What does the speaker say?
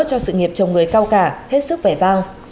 cho sự nghiệp chồng người cao cả hết sức vẻ vang